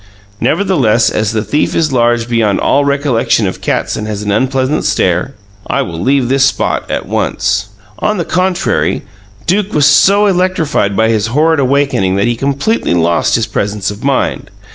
Nevertheless, as the thief is large beyond all my recollection of cats and has an unpleasant stare, I will leave this spot at once." On the contrary, Duke was so electrified by his horrid awakening that he completely lost his presence of mind.